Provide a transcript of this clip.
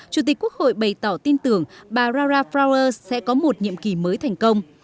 chủ tịch quốc hội bày tỏ tin tưởng bà rara flower sẽ có một nhiệm kỳ mới thành công